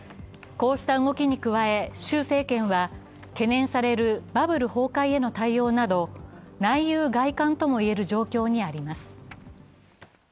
こうした動きに加え、習政権は懸念されるバブル崩壊への対応など内憂外患とも言える状況にあります。